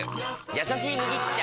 「やさしい麦茶」！